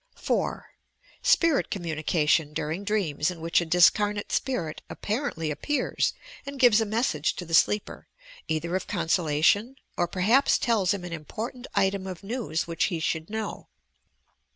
4. Spirit Communication during dreams in which a discarnate spirit apparently appears and gives a message to the sleeper, either of consolation, or perhaps tells him an important item of news which he should know.